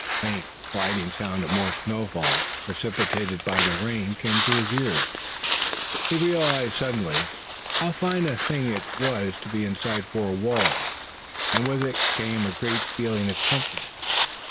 The faint, sliding sound of more snow falls precipitated by the rain came to his ears. He realized suddenly how fine a thing it was to be inside four walls, and with it came a great feeling of comfort.